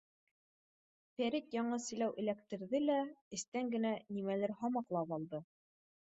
Фәрит яңы селәү эләктерҙе лә, эстән генә нимәлер һамаҡлап алды.